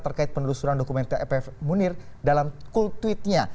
terkait penelusuran dokumen tpf mundir dalam cool tweet nya